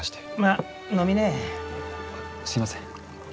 あっすいません。